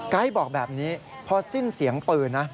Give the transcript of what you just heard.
บอกแบบนี้พอสิ้นเสียงปืนนะ